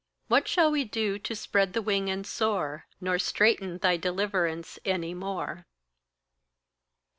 What shall we do to spread the wing and soar, Nor straiten thy deliverance any more?